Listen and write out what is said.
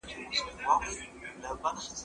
که وخت وي، ليک لولم.